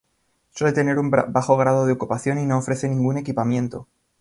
Suele tener un bajo grado de ocupación y no ofrece ningún equipamiento.